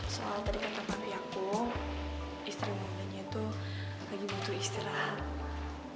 soal tadi kata papi aku istri umurnya tuh lagi butuh istirahat